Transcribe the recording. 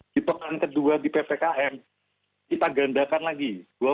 di pekan kedua di ppkm kita gandakan lagi